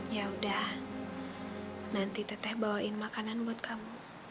yaudah nanti teteh bawain makanan buat kamu